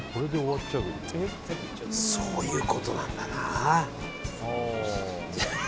そういうことなんだな。